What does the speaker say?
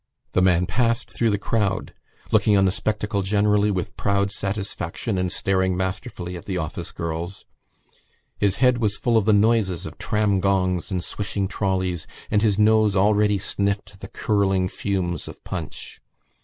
The man passed through the crowd, looking on the spectacle generally with proud satisfaction and staring masterfully at the office girls. His head was full of the noises of tram gongs and swishing trolleys and his nose already sniffed the curling fumes of punch.